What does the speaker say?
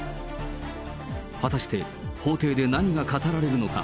果たして、法廷で何が語られるのか。